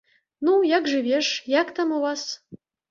Ну, як жывеш, як там у вас?